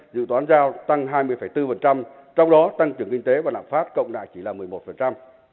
dự toán giao tăng hai mươi bốn trong đó tăng trưởng kinh tế và lạm phát cộng đại chỉ là một mươi một